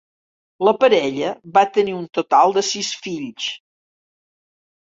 La parella va tenir un total de sis fills.